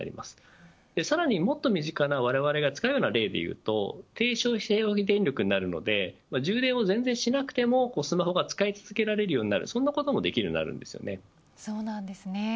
さらにもっと身近なわれわれが使うような例で言うと低消費電力になるので充電を全然しなくてもスマホが使い続けられるようになることもそうなんですね。